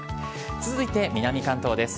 続いて南関東です。